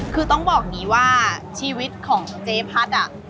คือต้องบอกนี้ว่าชีวิตของเจพัฒน์อ่ะ